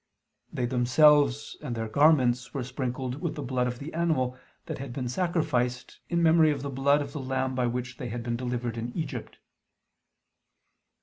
They themselves and their garments were sprinkled with the blood of the animal that had been sacrificed, in memory of the blood of the lamb by which they had been delivered in Egypt.